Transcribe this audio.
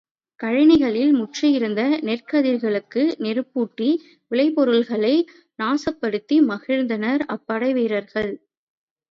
கழனிகளில் முற்றியிருந்த நெற்கதிர்களுக்கு நெருப்பூட்டி விளைபொருள்களை நாசப்படுத்தி மகிழ்ந்தனர் அப் படைவீரர்கள்.